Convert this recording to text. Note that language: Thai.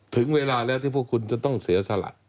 ถึงเวลาแล้วที่พวกคุณจะต้องเสียสละ